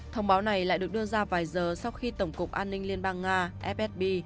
thông báo này lại được đưa ra vài giờ sau khi tổng cục an ninh liên bang nga fsb